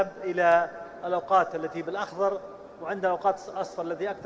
berkgratiat kepada dihadap untuk hal mahasiswa agama kita